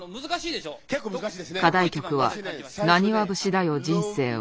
課題曲は「浪花節だよ人生は」。